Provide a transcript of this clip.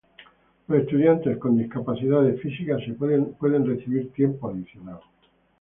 Los estudiantes con discapacidades físicas pueden recibir tiempo adicional.